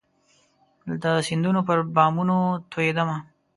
د سیندونو پر بامونو توئيدمه